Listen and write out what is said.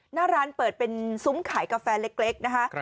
หน้าร้านเปิดเป็นซุ้มขายกาแฟเล็กนะคะ